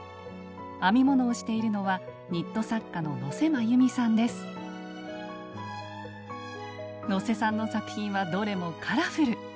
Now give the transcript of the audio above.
編み物をしているのは能勢さんの作品はどれもカラフル。